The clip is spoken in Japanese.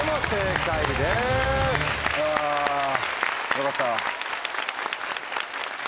よかった。